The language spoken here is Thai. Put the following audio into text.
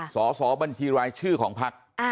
สอบบัญชีรายชื่อของพัก